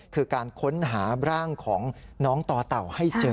คือการค้นหาร่างของน้องต่อเต่าให้เจอ